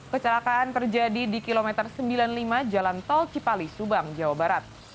kecelakaan terjadi di kilometer sembilan puluh lima jalan tol cipali subang jawa barat